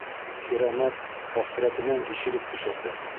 Кирәмәт хәсрәтенән ишелеп төшәсәк.